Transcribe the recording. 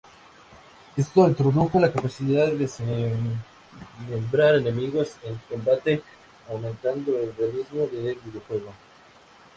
Esto introdujo la capacidad de desmembrar enemigos en combate, aumentando el realismo del videojuego.